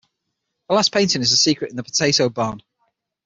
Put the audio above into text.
The last painting is the secret in the potato barn.